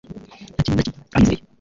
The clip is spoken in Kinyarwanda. Nta kintu na kimwe aba yizeye.